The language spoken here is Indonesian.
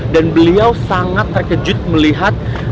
dan beliau sangat terkejut melihat